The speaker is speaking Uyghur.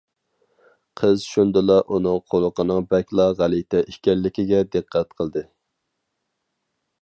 قىز شۇندىلا ئۇنىڭ قۇلىقىنىڭ بەكلا غەلىتە ئىكەنلىكىگە دىققەت قىلدى.